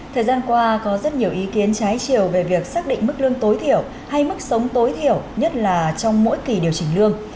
thời gian qua có rất nhiều ý kiến trái chiều về việc xác định mức lương tối thiểu hay mức sống tối thiểu nhất là trong mỗi kỳ điều chỉnh lương